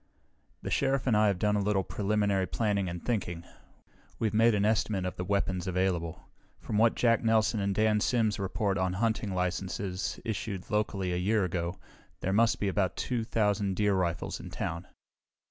"The Sheriff and I have done a little preliminary planning and thinking. We've made an estimate of weapons available. From what Jack Nelson and Dan Sims report on hunting licenses issued locally a year ago, there must be about two thousand deer rifles in town.